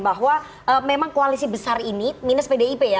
bahwa memang koalisi besar ini minus pdip ya